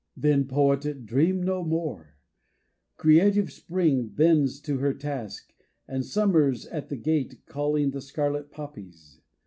Then, poet, dream no more ! Creative spring Bends to her task, and summer's at the gate Calling the scarlet poppies.